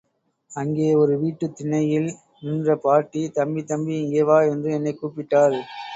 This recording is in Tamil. அங்கே ஒரு வீட்டுத் திண்ணையில் நின்ற பாட்டி தம்பி, தம்பி, இங்கே வா என்று என்னைக் கூப்பிட்டாள்.